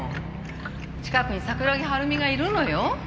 近くに桜木春美がいるのよ？